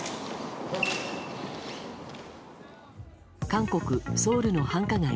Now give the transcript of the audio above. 韓国ソウルの繁華街